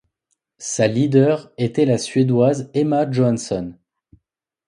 Sa leader était la Suédoise Emma Johansson.